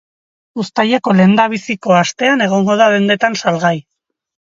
Uztaileko lehendabiziko astean egongo da dendetan salgai.